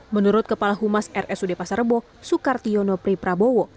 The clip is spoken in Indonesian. menurut kepala humas rsud pasar bo sukartiono priprabowo